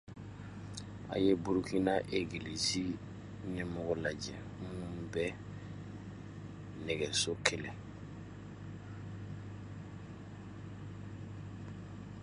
Aw ye Burkina egilisi ɲɛmɔgɔw lajɛ minnu bɛ nɛgɛso kɛlɛ.